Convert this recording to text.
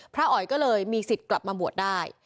อ๋อยก็เลยมีสิทธิ์กลับมาบวชได้